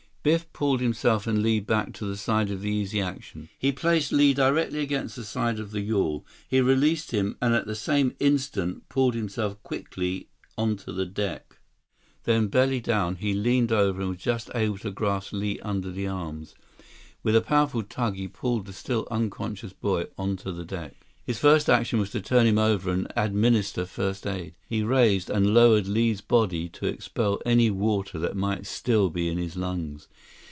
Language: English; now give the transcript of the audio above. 148 Biff pulled himself and Li back to the side of the Easy Action. He placed Li directly against the side of the yawl. He released him and at the same instant, pulled himself quickly onto the deck. Then, belly down, he leaned over and was just able to grasp Li under the arms. With a powerful tug, he pulled the still unconscious boy onto the deck. His first action was to turn him over and administer first aid. He raised and lowered Li's body to expel any water that might still be in his lungs.